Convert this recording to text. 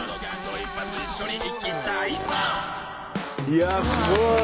いやあすごい！